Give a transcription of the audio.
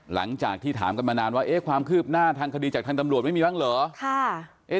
หลังจากที่ถามกันมานานว่าความคืบหน้าทางคดีจากทางตำรวจไม่มีบ้างเหรอ